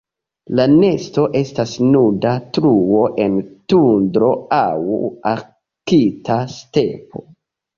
La nesto estas nuda truo en tundro aŭ arkta stepo.